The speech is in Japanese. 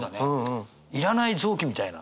いらない臓器みたいな。